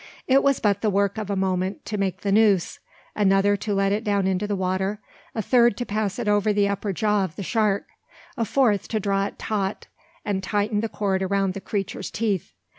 It was but the work of a moment to make the noose; another to let it down into the water; a third to pass it over the upper jaw of the shark; a fourth to draw it taut, and tighten the cord around the creature's teeth.